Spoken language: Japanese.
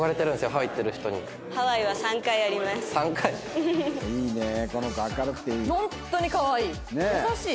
ホントにかわいい！